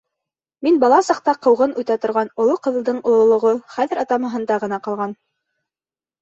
Мин бала саҡта ҡыуғын үтә торған Оло Ҡыҙылдың ололоғо хәҙер атамаһында ғына ҡалған.